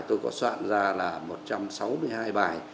tôi có soạn ra là một trăm sáu mươi hai bài